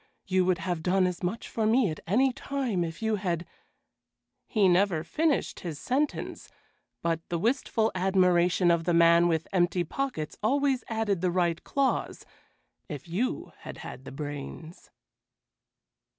You would have done as much for me at any time if you had" he never finished his sentence, but the wistful admiration of the man with empty pockets always added the right clause "if you had had the brains."